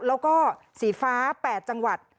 แล้วก็สีฟ้า๘จังหวัด